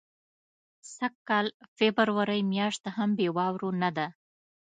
سږ کال فبرورۍ میاشت هم بې واورو نه ده.